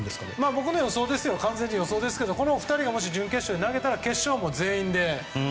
僕の完全に予想ですけどこの２人がもし準決勝で投げたら決勝は全員で。